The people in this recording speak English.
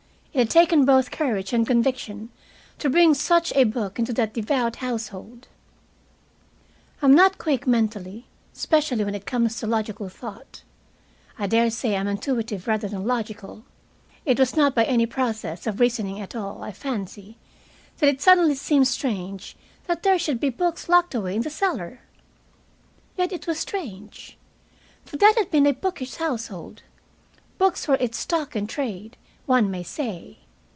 It had taken both courage and conviction to bring such a book into that devout household. I am not quick, mentally, especially when it comes to logical thought. I daresay I am intuitive rather than logical. It was not by any process of reasoning at all, I fancy, that it suddenly seemed strange that there should be books locked away in the cellar. Yet it was strange. For that had been a bookish household. Books were its stock in trade, one may say.